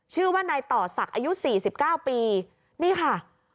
ชื่อว่านายต่อศักดิ์อายุ๔๙ปีนี่ค่ะ